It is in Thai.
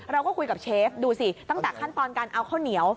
เราก็คุยกับเชฟดูสิตั้งแต่ขั้นตอนการเอาข้าวเหนียว